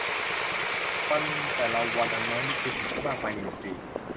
วันแต่ละวันอันน้อยนิดคือสิ่งที่มากมายในหนึ่งปี